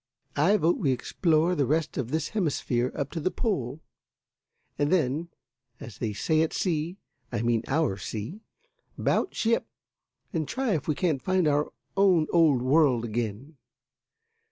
I vote we explore the rest of this hemisphere up to the pole, and then, as they say at sea I mean our sea 'bout ship, and try if we can find our own old world again.